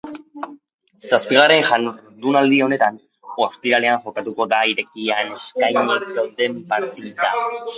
Zazpigarren jardunaldi honetan ostirlean jokatuko da irekian eskainiko den partida.